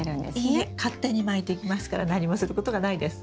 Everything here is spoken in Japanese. いいえ勝手に巻いていきますから何もすることがないです。